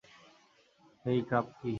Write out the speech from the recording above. হেই, Krupke!